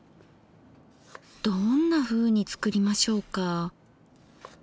どんなふうに作りましょうか。